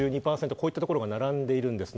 こういったところが並んでいます。